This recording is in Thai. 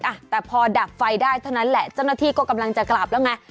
อ่ะแต่พอดับไฟได้เท่านั้นแหละเจ้าหน้าที่ก็กำลังจะกลับแล้วไง